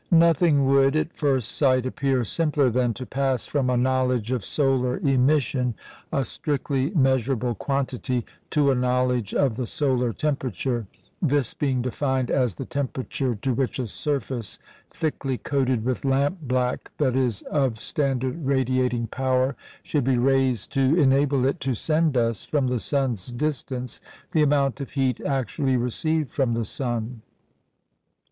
Nothing would, at first sight, appear simpler than to pass from a knowledge of solar emission a strictly measurable quantity to a knowledge of the solar temperature; this being defined as the temperature to which a surface thickly coated with lamp black (that is, of standard radiating power) should be raised to enable it to send us, from the sun's distance, the amount of heat actually received from the sun.